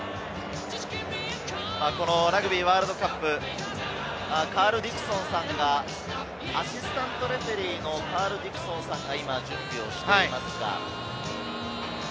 ラグビーワールドカップ。アシスタントレフェリーのカール・ディクソンさんが準備しています。